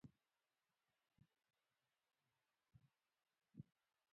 د افغانستان د موقعیت د افغانستان د زرغونتیا نښه ده.